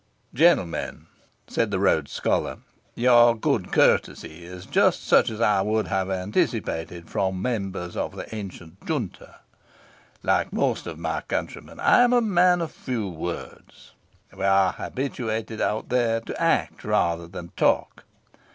"Gentlemen," said the Rhodes Scholar, "your good courtesy is just such as I would have anticipated from members of the ancient Junta. Like most of my countrymen, I am a man of few words. We are habituated out there to act rather than talk.